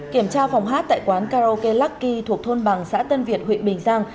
kiểm tra phòng hát tại quán karaoke lucky thuộc thôn bằng xã tân việt huyện bình giang